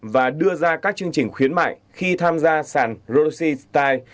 và đưa ra các chương trình khuyến mại khi tham gia sàn rossi style